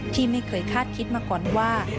ที่ไม่เคยคาดคิดมาก่อนว่า